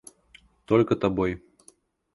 Только тобой.